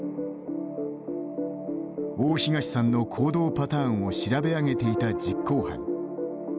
大東さんの行動パターンを調べ上げていた実行犯。